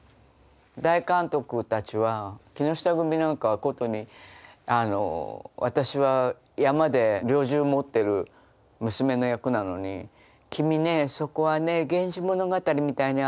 大監督たちは木下組なんかはことに私は山で猟銃持ってる娘の役なのに「君ねそこはね『源氏物語』みたいに歩くんだよ」とか急におっしゃるのね。